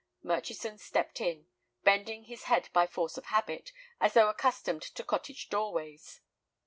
Murchison stepped in, bending his head by force of habit, as though accustomed to cottage doorways.